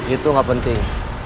itu gak penting